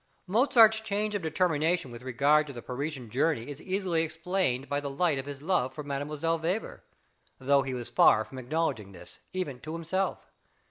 Mozart's change of determination with regard to the Parisian journey is easily explained by the light of his love for Mdlle. Weber, although he was far from acknowledging this, even to himself.